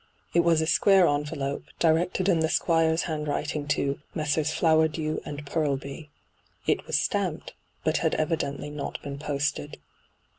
It was a square envelope, directed in the Squire's handwriting to ' Messrs. Flowerdew and Furlby.' It was stamped, but had evidently not been posted.